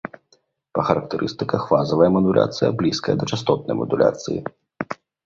Па характарыстыках фазавая мадуляцыя блізкая да частотнай мадуляцыі.